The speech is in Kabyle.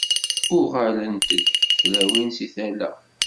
Uɣalent-d tlawin si tala.